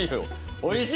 おいしい？